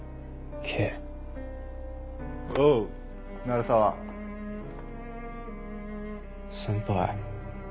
鳴沢先輩